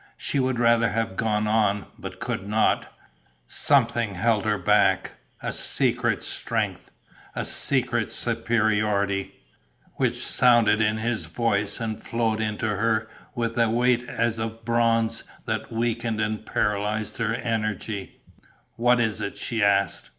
She would rather have gone on, but could not: something held her back, a secret strength, a secret superiority, which sounded in his voice and flowed into her with a weight as of bronze that weakened and paralysed her energy. "What is it?" she asked.